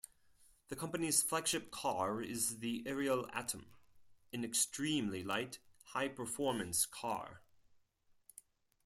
The company's flagship car is the Ariel Atom, an extremely light, high performance car.